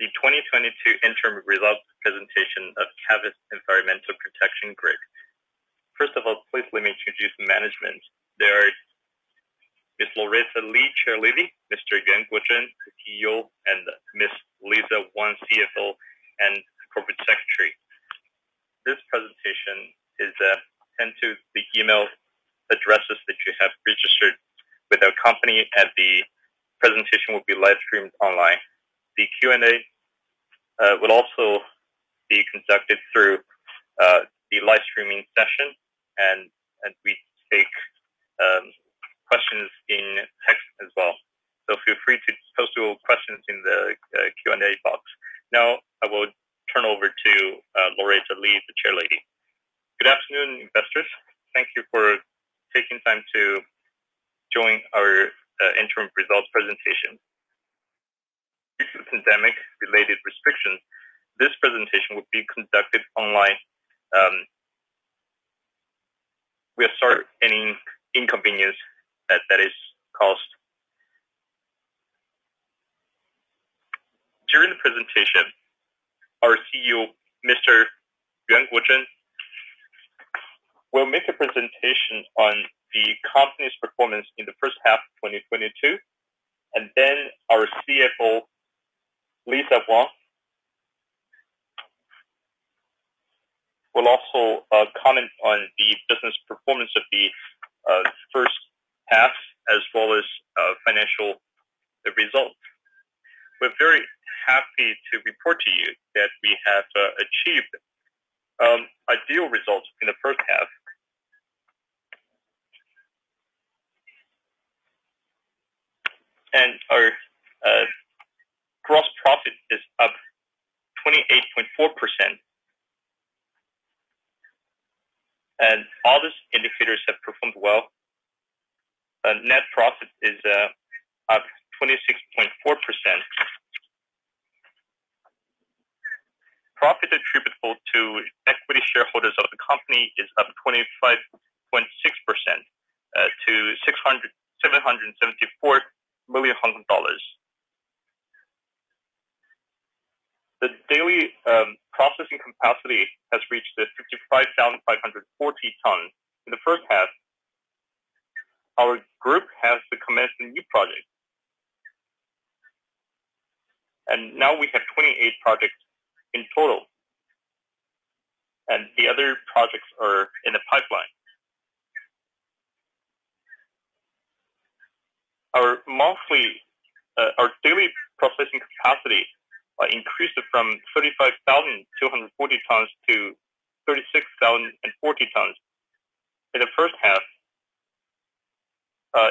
The 2022 interim results presentation of Canvest Environmental Protection Group. First of all, please let me introduce management. There is Ms. Loretta Lee, Chairlady, Mr. Yuan Guozhen, CEO, and Ms. Lisa Wong, CFO and Corporate Secretary. This presentation is sent to the email addresses that you have registered with our company, and the presentation will be live-streamed online. The Q&A will also be conducted through the live-streaming session and we take questions in text as well. Feel free to post your questions in the Q&A box. Now I will turn over to Loretta Lee, the Chairlady. Good afternoon, investors. Thank you for taking time to join our interim results presentation. Due to pandemic-related restrictions, this presentation will be conducted online. We are sorry any inconvenience that has caused. During the presentation, our CEO, Mr. Yuan Guozhen, will make a presentation on the company's performance in the H1 of 2022, and then our CFO, Lisa Wong, will also comment on the business performance of the H1 as well as financial results. We are very happy to report to you that we have achieved ideal results in the H1. Our gross profit is up 28.4%. All these indicators have performed well. Net profit is up 26.4%. Profit attributable to equity shareholders of the company is up 25.6% to HKD 774 million. The daily processing capacity has reached 55,540 tons. In the H1, our group has commenced a new project. Now we have 28 projects in total, and the other projects are in the pipeline. Our daily processing capacity increased from 35,240 tons to 36,040 tons. In the H1,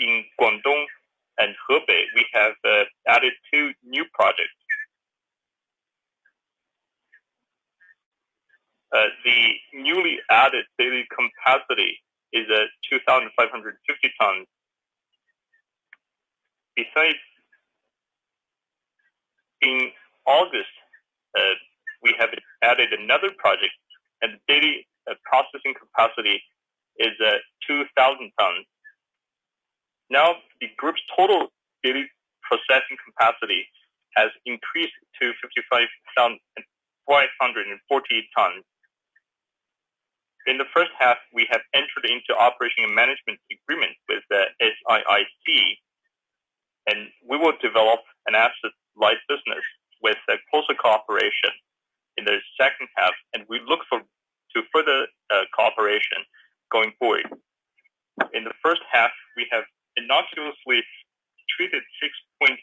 in Guangdong and Hebei, we have added two new projects. The newly added daily capacity is at 2,550 tons. Besides, in August, we have added another project, and daily processing capacity is at 2,000 tons. Now, the group's total daily processing capacity has increased to 55,540 tons. In the H1, we have entered into operation and management agreement with the SIIC, and we will develop an asset-light business with a closer cooperation in the H2 half, and we look to further cooperation going forward. In the H1, we have innocuously treated 6.8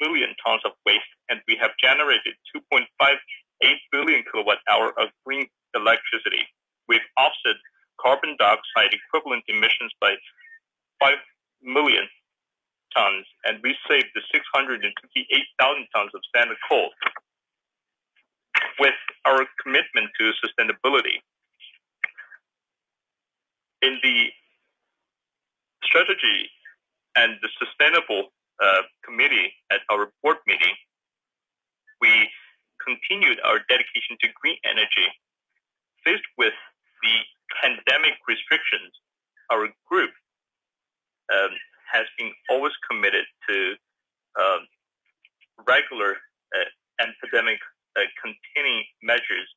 million tons of waste, and we have generated 2.58 billion kilowatt hour of green electricity. We've offset carbon dioxide equivalent emissions by five million tons, and we saved 658,000 tons of standard coal with our commitment to sustainability. In the strategy and the sustainable committee at our board meeting, we continued our dedication to green energy. Faced with the pandemic restrictions, our group has been always committed to regular epidemic containing measures.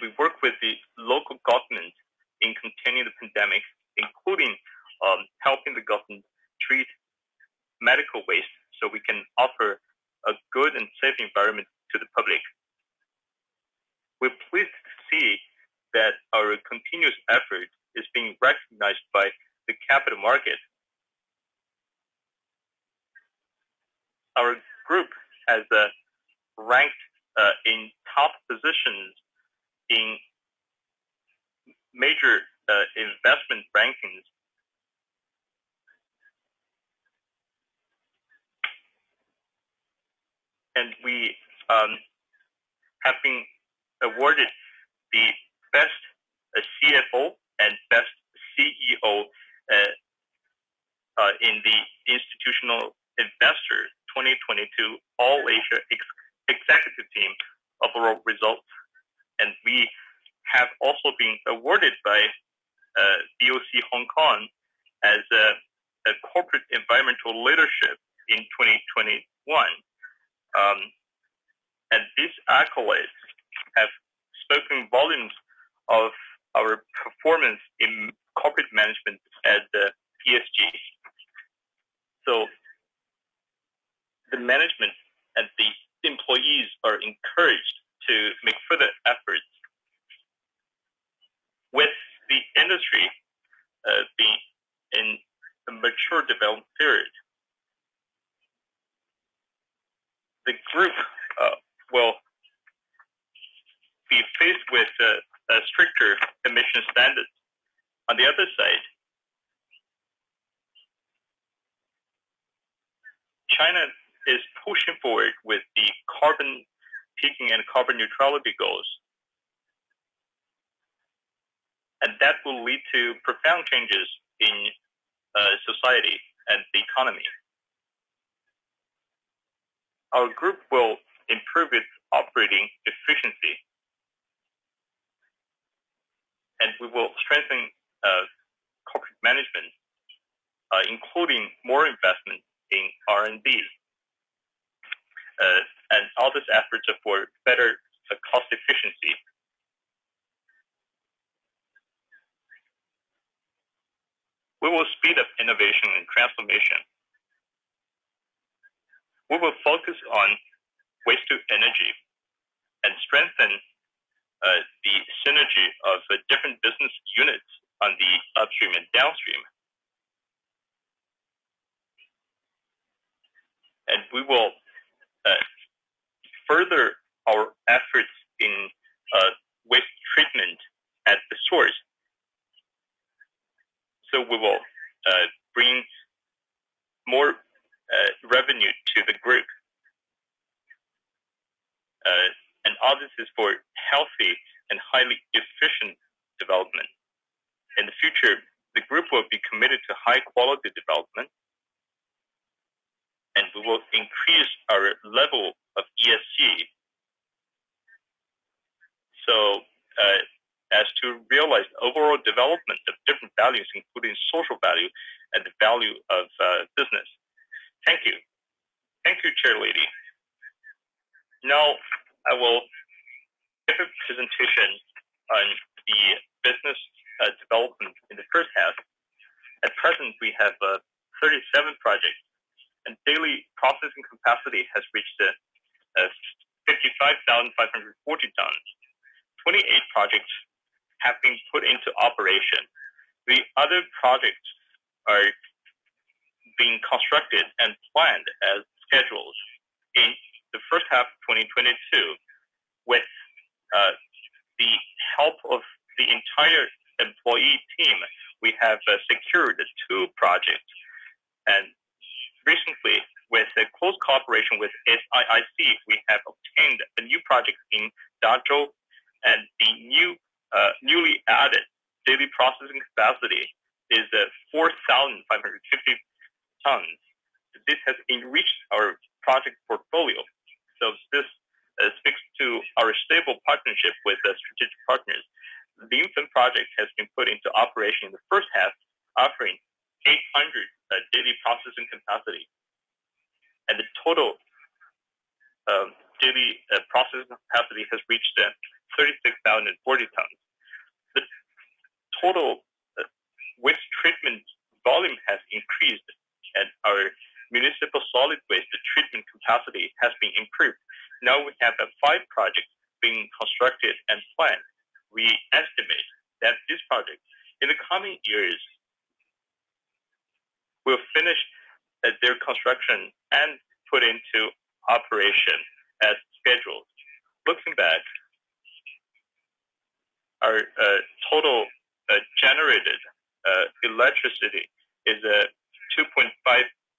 We work with the local government in containing the pandemic including helping the government treat medical waste so we can offer a good and safe environment to the public. We're pleased to see that our continuous effort is being recognized by the capital market. Our group has ranked in top positions in major investment rankings. We have been awarded the best CFO and best CEO in the Institutional Investor 2022 All-Asia Executive Team overall results. We have also been awarded BOCHK Corporate Low-Carbon Environmental Leadership Awards in 2021. These accolades have spoken volumes of our performance in corporate management at the ESG. The management and the employees are encouraged to make further efforts. With the industry being in a mature development period, the group will be faced with a stricter emission standard. On the other side, China is pushing forward with the carbon peaking and carbon neutrality goals, and that will lead to profound changes in society and the economy. Our group will improve its operating efficiency, and we will strengthen corporate management, including more investment in R&D. All these efforts are for better cost efficiency. We will speed up innovation and transformation. We will focus on waste-to-energy and strengthen the synergy of the different business units on the upstream and downstream. We will further our efforts in waste treatment at the source, so we will bring more revenue to the group, and all this is for healthy and highly efficient development. In the future, the group will be committed to high quality development, and we will increase our level of ESG, so as to realize overall development of different values, including social value and the value of business. Thank you. Thank you, Chair Lady. Now I will give a presentation on the business development in the H1. At present, we have 37 projects, and daily processing capacity has reached 55,540 tons. 28 projects have been put into operation. The other projects are being constructed and planned as scheduled. In the H1 of 2022, with the help of the entire employee team, we have secured the two projects. Recently, with the close cooperation with SIIC, we have obtained a new project in Dandong, and the newly added daily processing capacity is 4,550 tons. This has enriched our project portfolio. This speaks to our stable partnership with the strategic partners. The Yifeng project has been put into operation in the H1, offering 800 daily processing capacity. The total daily processing capacity has reached 36,040 tons. The total waste treatment volume has increased and our municipal solid waste treatment capacity has been improved. Now we have five projects being constructed and planned. We estimate that these projects in the coming years will finish their construction and put into operation as scheduled. Looking back, our total generated electricity is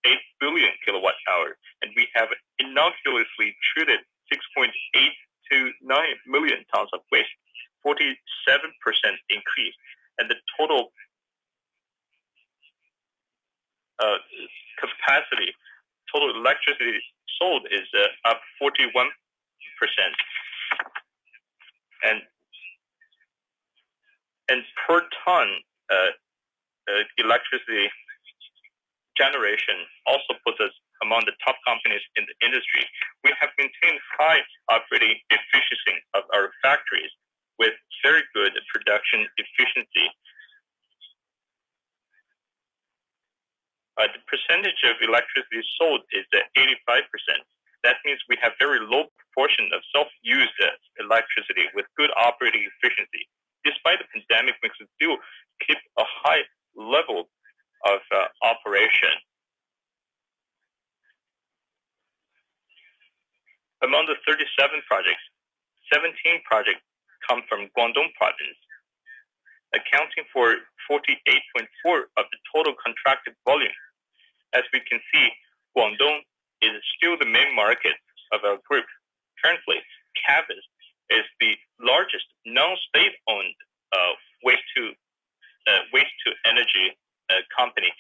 2.58 billion kilowatt hours, and we have innocuously treated 6.829 million tons of waste, 47% increase. The total capacity, total electricity sold is up 41%. Per ton electricity generation also puts us among the top companies in the industry. We have maintained high operating efficiency of our factories with very good production efficiency. The percentage of electricity sold is 85%. That means we have very low proportion of self-used electricity with good operating efficiency. Despite the pandemic, we still keep a high level of operation. Among the 37 projects, 17 projects come from Guangdong Province, accounting for 48.4% of the total contracted volume. As we can see, Guangdong is still the main market of our group. Currently, Canvest is the largest non-state-owned waste-to-energy company.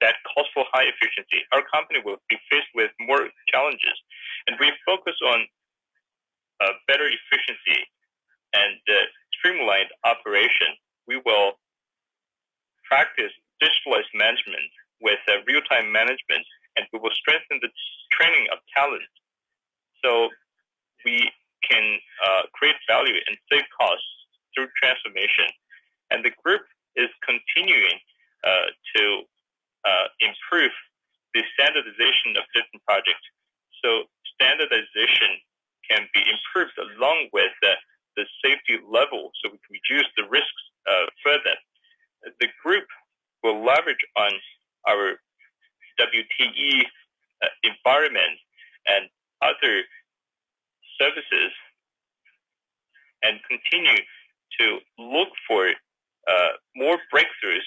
That calls for high efficiency. Our company will be faced with more challenges, we focus on better efficiency and streamlined operation. We will practice digitalized management with real-time management, and we will strengthen the training of talent so we can create value and save costs through transformation. The group is continuing to improve the standardization of different projects so standardization can be improved along with the safety level, so we can reduce the risks further. The group will leverage on our WTE environment and other services and continue to look for more breakthroughs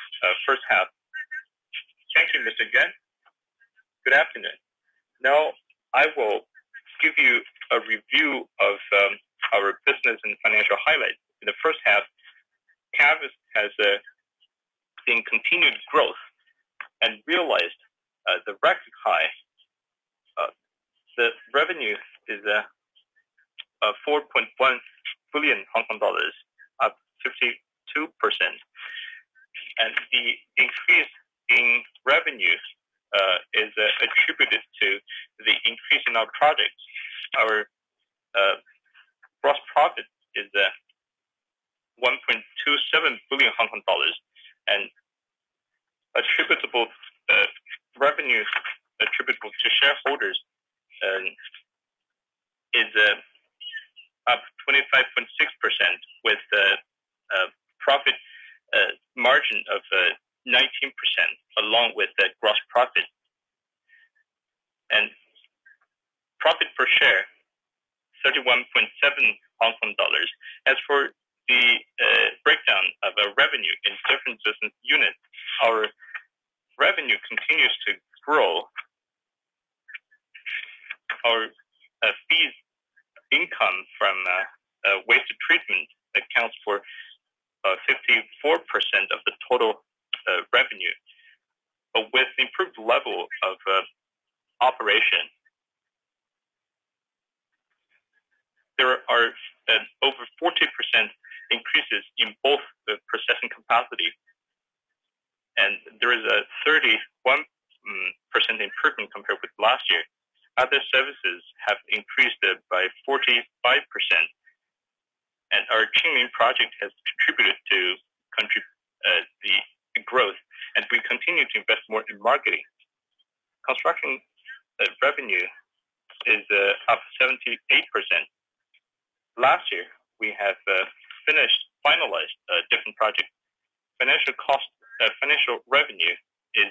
in the model of WTE plus environment. In the H1, we have won the bidder, the tenders of Hubei project. In the future, we will strengthen the combination of WTE plus environment protection. At the same time, we'll expand other services related to municipal environment and management, so we can create value to our shareholders and all stakeholders for better returns. Now, Miss Lisa Wong, our CFO, will present on the financial highlight of H1. Thank you, Mr. Zhen. Good afternoon. Now, I will give you a review of our business and financial highlights. In the H1, KEVA has seen continued growth and realized the record high. The revenue is HKD 4.1 billion, up 52%. The increase in revenue is attributed to the increase in our projects. Our gross profit is HKD 1.27 billion. Attributable revenues attributable to shareholders is up 25.6% with a profit margin of 19% along with the gross profit. Profit per share, 31.7 Hong Kong dollars. As for the breakdown of our revenue in different business units, our revenue continues to grow. Our fees income from waste treatment accounts for 54% of the total revenue. With improved level of operation, there are over 40% increases in both the processing capacity, and there is a 31% improvement compared with last year. Other services have increased by 45%, our Qingyuan project has contributed to continue the growth as we continue to invest more in marketing. Construction revenue is up 78%. Last year, we have finalized different project. Financial revenue is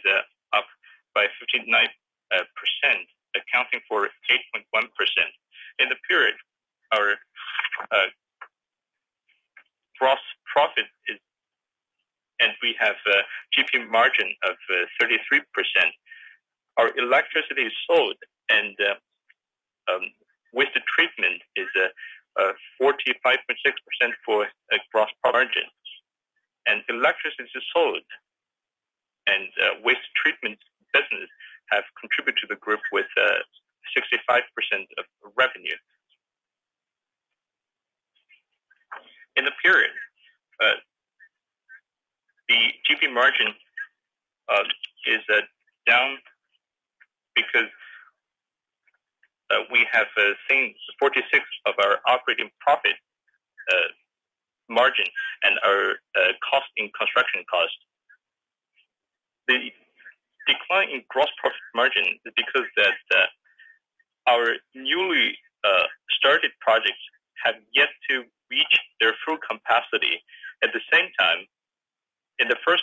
up by 59%, accounting for 8.1%. In the period, our gross profit is, we have a GP margin of 33%. Our electricity sold and waste treatment is 45.6% for a gross margin. Electricity sold and waste treatment business have contributed to the group with 65% of revenue. In the period, the GP margin is down because we have seen 46 of our operating profit margin and our cost in construction costs. The decline in gross profit margin is because our newly started projects have yet to reach their full capacity. At the same time, in the H1,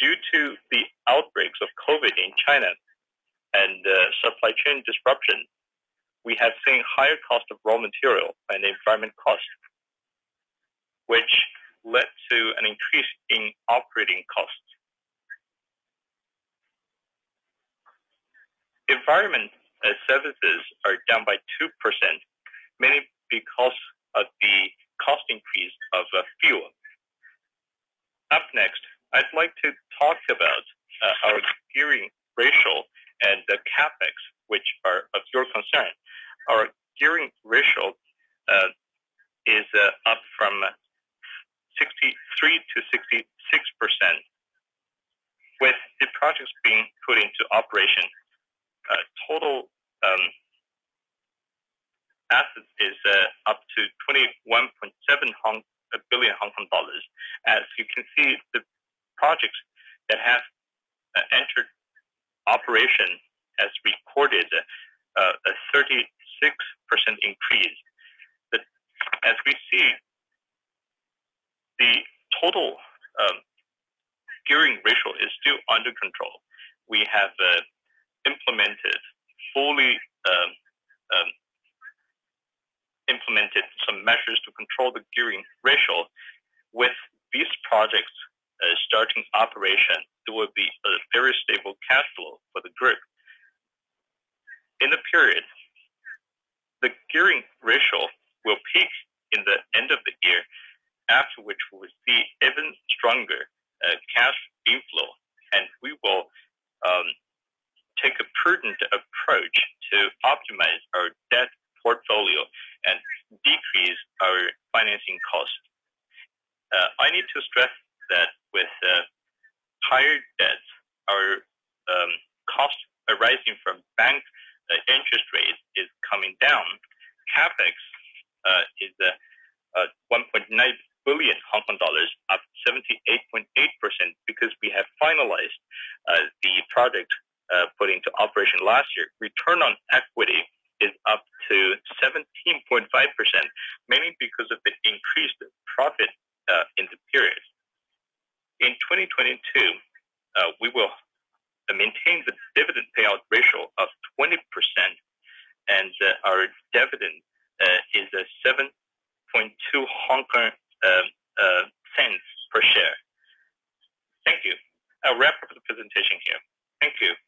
due to the outbreaks of COVID in China and supply chain disruption, we have seen higher cost of raw materials and environment costs, which led to an increase in operating costs. Environment services are down by 2%, mainly because of the cost increase of fuel. Up next, I'd like to talk about our gearing ratio and the CapEx, which are of your concern. Our gearing ratio is up from 63% to 66%. With the projects being put into operation, total assets is up to 21.7 billion Hong Kong dollars. As you can see, the projects that have entered operation has recorded a 36% increase. As we see, the total gearing ratio is still under control. We have fully implemented some measures to control the gearing ratio. With these projects starting operation, there will be a very stable cash flow for the group. In the period, the gearing ratio will peak in the end of the year, after which we will see even stronger cash inflow, and we will take a prudent approach to optimize our debt portfolio and decrease our financing cost. I need to stress that with higher debts, our cost arising from bank interest rates is coming down. CapEx is HKD 1.9 billion, up 78.8% because we have finalized the project put into operation last year. Return on equity is up to 17.5%, mainly because of the increased profit in the period. In 2022, we will maintain the dividend payout ratio of 20%, and our dividend is HKD 0.072 per share. Thank you. I'll wrap up the presentation here. Thank you.